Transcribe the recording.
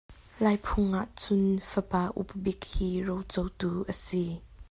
Lai phung ah cun fapa upa bik hi rocotu a si.